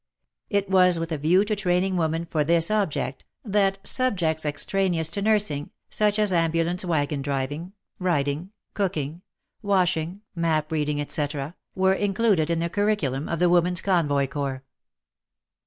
It was with a view to training women for this object, that subjects extraneous to nursing, such as ambulance waggon driving, riding, cooking, washing, map reading, etc., were included in the curriculum of the Women's Convoy Corps.